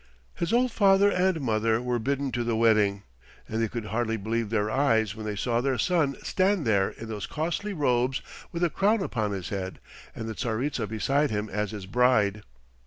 His old father and mother were bidden to the wedding, and they could hardly believe their eyes when they saw their son stand there in those costly robes with a crown upon his head and the Tsaritsa beside him as his bride.